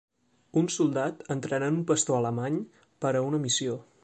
Un soltat entrenant un pastor alemany per a una missió.